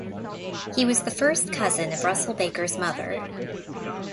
He was the first cousin of Russell Baker's mother.